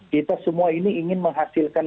kita semua ini ingin menghasilkan